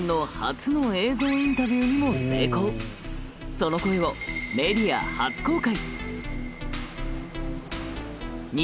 その声をメディア初公開！